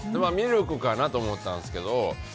ミルクかなと思ったんですけど